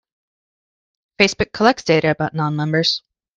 Facebook collects data about non-members.